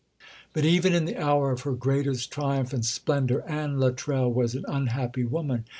But even in the hour of her greatest triumph and splendour Anne Luttrell was an unhappy woman.